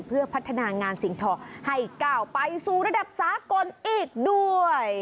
เพื่อพัฒนางานสิ่งทองให้ก้าวไปสู่ระดับสากลอีกด้วย